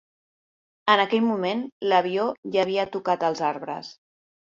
En aquell moment l"avió ja havia tocat els arbres.